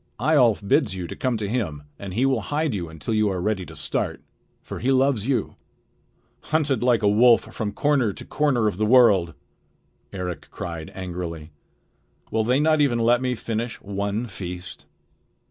Eyjolf bids you come to him, and he will hide you until you are ready to start; for he loves you." "Hunted like a wolf from corner to corner of the world!" Eric cried angrily. "Will they not even let me finish one feast?"